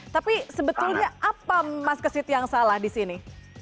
tapi sebetulnya apa mas kesit yang salah disini